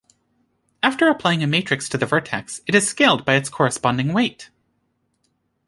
After applying a matrix to the vertex, it is scaled by its corresponding weight.